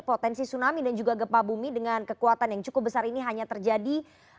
potensi tsunami dan juga gempa bumi dengan kekuatan yang cukup besar ini hanya terjadi